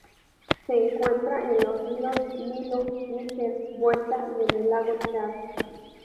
Se encuentra en los ríos Nilo, Níger, Vuelta y en el lago Chad.